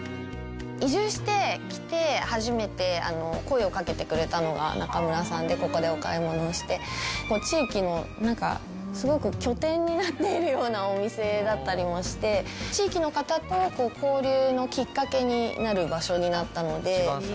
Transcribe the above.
移住してきて初めて声をかけてくれたのが中村さんで、ここでお買い物をして、地域のなんか、すごく拠点になってるようなお店だったりもして、地域の方と交流のきっかけになる場所になったので。